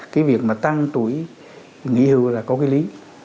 cái việc mà tăng tuổi nghỉ hưu là có cái lý